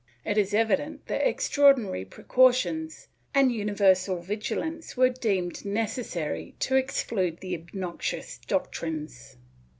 ^ It is evident that extraordinary precautions and universal vigilance were deemed necessary to exclude the obnoxious doctrines.